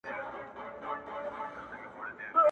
له کښتۍ سره مشغول وو په څپو کي٫